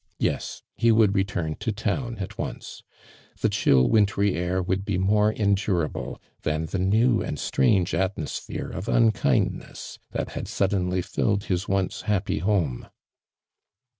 Yes, he would return to town at once. The chill wintry air would be more endurable than the new and strange atmosphere of unkind ness that had suddenly filled his once hap py home.